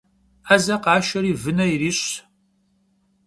'eze khaşşeri vıne yiriş'ş.